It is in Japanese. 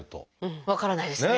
分からないですね。